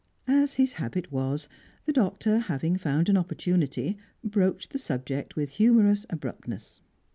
As his habit was, the Doctor, having found an opportunity, broached the subject with humorous abruptness.